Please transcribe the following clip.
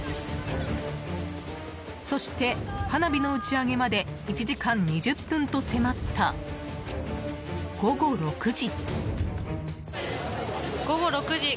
そして、花火の打ち上げまで１時間２０分と迫った午後６時。